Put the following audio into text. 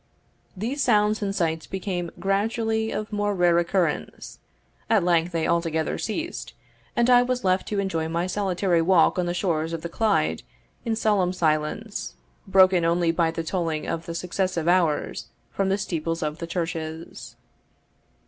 These sounds and sights became gradually of more rare occurrence; at length they altogether ceased, and I was left to enjoy my solitary walk on the shores of the Clyde in solemn silence, broken only by the tolling of the successive hours from the steeples of the churches.